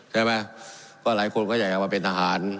ใช่ไหมก็หลายคนก็อยากจะมาเป็นทหาร